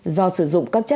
do sử dụng các doanh nghiệp